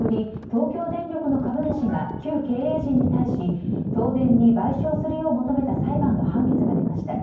東京電力の株主が旧経営陣に対し、東電に賠償するよう求めた裁判の判決が出ました。